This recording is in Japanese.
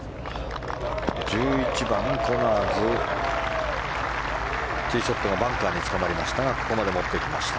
１１番、コナーズティーショットがバンカーにつかまりましたがここまで持っていきました。